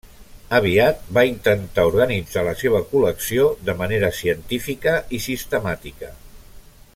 Aviat va intentar organitzar la seva col·lecció de manera científica i sistemàtica.